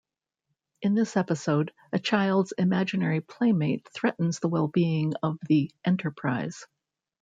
In this episode, a child's imaginary playmate threatens the well-being of the "Enterprise".